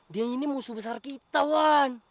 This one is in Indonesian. dia ini musuh besar kita wan